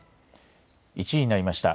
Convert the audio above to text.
１時になりました。